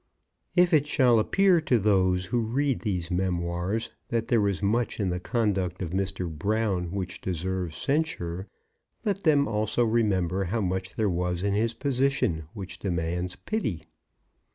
If it shall appear to those who read these memoirs that there was much in the conduct of Mr. Brown which deserves censure, let them also remember how much there was in his position which demands pity.